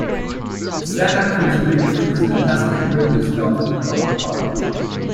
The Santa Cruz, Big Trees and Pacific Railway stops in front of the park.